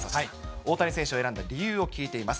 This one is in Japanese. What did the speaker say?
大谷選手を選んだ理由を聞いています。